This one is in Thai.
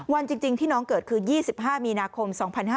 วันจริงที่น้องเกิดคือ๒๕มีนาคม๒๕๕๙